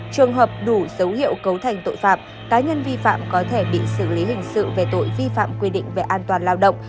trường hợp đủ dấu hiệu cấu thành tội phạm cá nhân vi phạm có thể bị xử lý hình sự về tội vi phạm quy định về an toàn lao động